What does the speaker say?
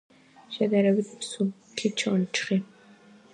შედარებით მსუბუქი ჩონჩხი.